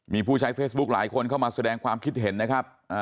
มีผู้ใช้เฟซบุ๊คหลายคนเข้ามาแสดงความคิดเห็นนะครับ